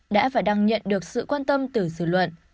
đã và đang nhận được sự quan tâm từ dự luận